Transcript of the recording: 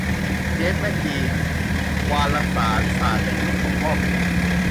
เจฟ แมคกี : วารสารศาสตร์ในยุคของข้อมูล